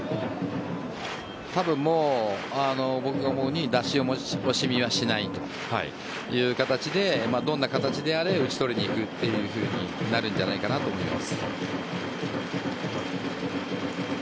多分、僕が思うに出し惜しみはしないという形でどんな形であれ打ち取りにいくというふうになるんじゃないかと思います。